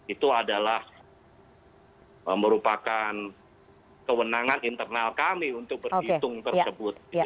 itu adalah merupakan kewenangan internal kami untuk berhitung tersebut